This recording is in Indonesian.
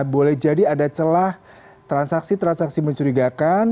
boleh jadi ada celah transaksi transaksi mencurigakan